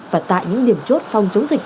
và tại những điểm chốt phòng chống dịch